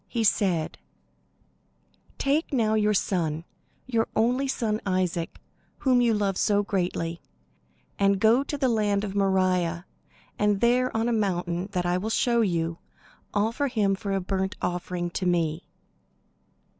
He said: "Take now your son, your only son Isaac, whom you love so greatly, and go to the land of Moriah, and there on a mountain that I will show you, offer him for a burnt offering to me."